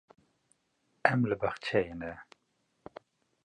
Em li bexçeyê ne.